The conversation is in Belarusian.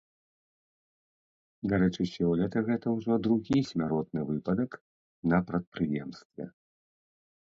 Дарэчы, сёлета гэта ўжо другі смяротны выпадак на прадпрыемстве.